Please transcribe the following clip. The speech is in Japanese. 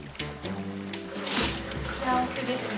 幸せですね。